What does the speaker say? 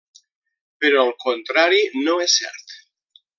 Però el contrari no és cert.